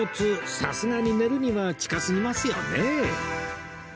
さすがに寝るには近すぎますよねえ